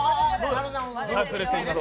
シャッフルしています。